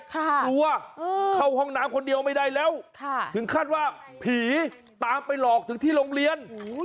กลัวเข้าห้องน้ำคนเดียวไม่ได้แล้วถึงขั้นว่าผีตามไปหลอกถึงที่โรงเรียน